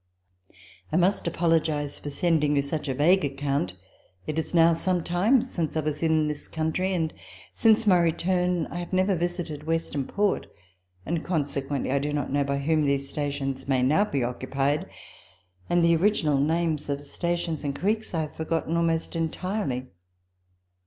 I must apologize for sending you such a vague account ; it is now some time since I was in this country, and since my return I have never visited Western Port, and consequently I do not know by whom these stations may now be occupied, and the original names of stations and creeks I have forgotten almost entirely.